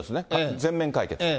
全面解決。